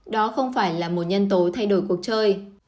đó không phải là một nhân tố thay đổi cuộc chơi